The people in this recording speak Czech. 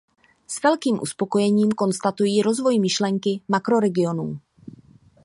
S velkým uspokojením konstatuji rozvoj myšlenky makroregionů.